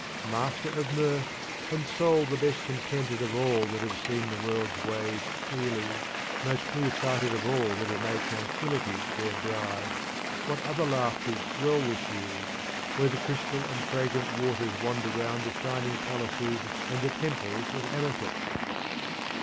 Master of mirth, and Soul the best contented of all that have seen the world's ways clearly, most clear sighted of all that have made tranquillity their bride, what other laughers dwell with you, where the crystal and fragrant waters wander round the shining palaces and the temples of amethyst?